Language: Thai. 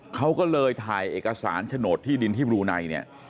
เขาก็เลยถ่ายเอกสารโฉนดที่ดินที่บรูไนเนี่ย